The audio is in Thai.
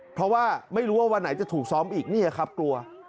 เพราะว่าไม่รู้ว่าวันไหนจะถูกซ้อมอีกนี่ครับกลัว